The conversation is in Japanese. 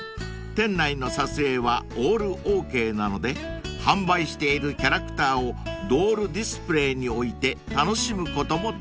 店内の撮影はオールＯＫなので販売しているキャラクターをドールディスプレーに置いて楽しむこともできます］